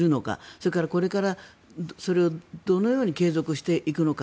それから、これからそれをどのように継続していくのか。